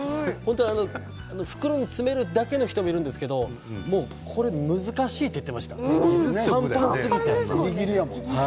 袋に詰めるだけの人もいるんですけど難しいと言っていました大きすぎて。